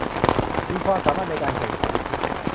มีความสามารถในการแข่งขัน